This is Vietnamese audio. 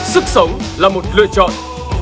sức sống là một lựa chọn